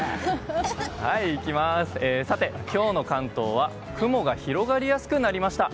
さて今日の関東は雲が広がりやすくなりました。